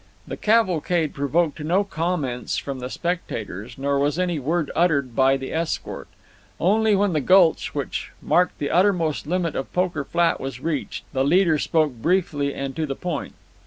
The cavalcade provoked no comments from the spectators, nor was any word uttered by the escort. Only, when the gulch which marked the uttermost limit of Poker Flat was reached, the leader spoke briefly and to the point.